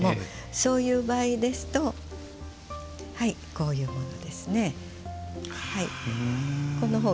そういう場合ですとこういうものです。